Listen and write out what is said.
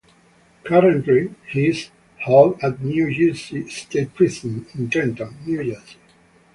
Currently, he is held at New Jersey State Prison in Trenton, New Jersey.